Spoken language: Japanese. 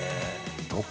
どこ？